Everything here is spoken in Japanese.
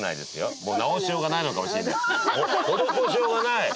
施しようがない。